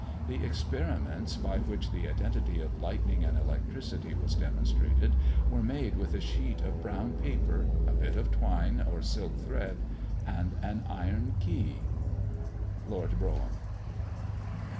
The experiments by which the identity of lightning and electricity was demonstrated, were made with a sheet of brown paper, a bit of twine or silk thread, and an iron key! _Lord Brougham.